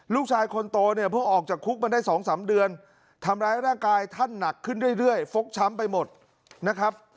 ลูกชายคนโตเนี่ยเพิ่งออกจากคุกมาได้๒๓เดือนทำร้ายร่างกายท่านหนักขึ้นเรื่อยฟกช้ำไปหมดนะครับ